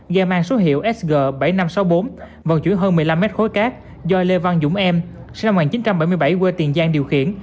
ga mang số hiệu sg bảy nghìn năm trăm sáu mươi bốn vận chuyển hơn một mươi năm m khối cát do lê văn dũng em sinh năm một nghìn chín trăm bảy mươi bảy quê tiền giang điều khiển